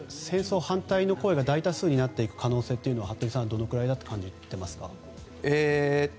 戦争反対の声が大多数になっていく可能性は服部さん、どのぐらいだと感じていますか？